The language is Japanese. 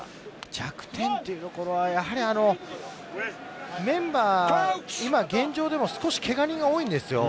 弱点はメンバーは今、現状でも少しけが人が多いんですよ。